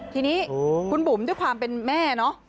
ทีนี้คุณบุ๋มด้วยความเป็นแม่เนอะ